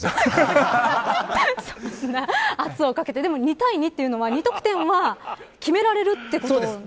圧をかけてでも、２対２というのは２得点は決められるということですか。